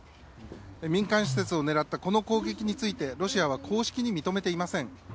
民間施設を狙ったこの攻撃についてロシアは公式に認めていません。